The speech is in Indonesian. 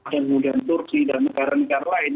dan mudahnya turki dan negara negara lain